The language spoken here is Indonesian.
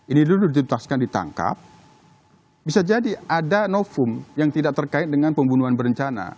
ini dulu dituntaskan ditangkap bisa jadi ada nofum yang tidak terkait dengan pembunuhan berencana